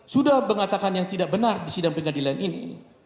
sudah mengatakan yang tidak benar di sidang pengadilan ini